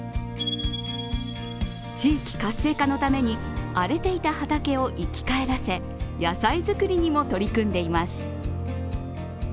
地域活性化のために荒れていた畑を生き返らせ野菜作りにも取り組んでいます。